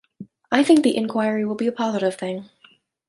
I think the inquiry will be a positive thing.